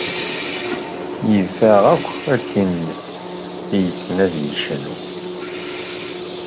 Yif-aneɣ akk akken i yessen ad yecnu.